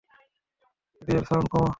রেডিওর সাউন্ড কমা।